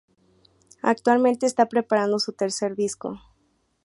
Actualmente está preparando su tercer disco.